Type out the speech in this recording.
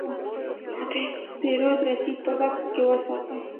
ما د پیرود رسید په بکس کې وساته.